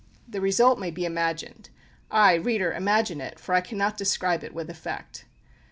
The result may be imagined ay, reader, imagine it, for I cannot describe it with effect.